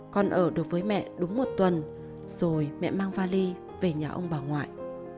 con ở được với mẹ đúng một tuần rồi mẹ mang vali về nhà ông bà ngoại